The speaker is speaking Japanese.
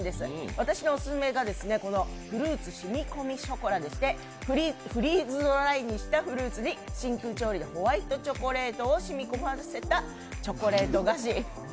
私のオススメがフルーツしみこみショコラでしてフリーズドライにしたフルーツに真空調理でホワイトチョコレートをしみこませたチョコレート菓子。